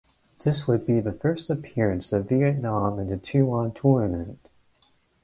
This would be the first appearance of Vietnam in the Toulon Tournament.